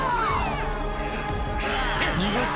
逃がすか！